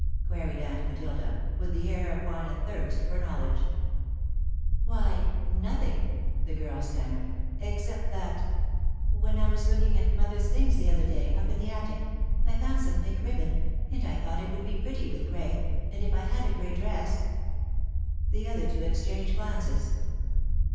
queried Aunt Matilda, with the air of one athirst for knowledge. [Sidenote: A Surprise Party] "Why nothing," the girl stammered, "except that when I was looking at mother's things the other day, up in the attic, I found some pink ribbon, and I thought it would be pretty with grey, and if I had a grey dress " The other two exchanged glances.